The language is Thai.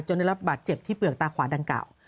ได้รับบาดเจ็บที่เปลือกตาขวาดังกล่าว